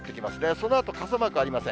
そのあと、傘マークありません。